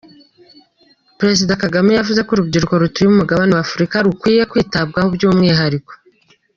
Parezida Kagame yavuze ko urubyiruko rutuye umugabane wa Afurika rukwiye kwitabwaho by’umwihariko.